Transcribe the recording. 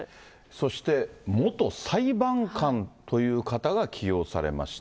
そして元裁判官という方が起用されました。